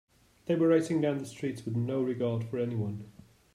They were racing down the streets with no regard for anyone.